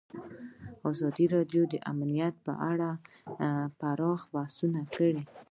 ازادي راډیو د امنیت په اړه پراخ بحثونه جوړ کړي.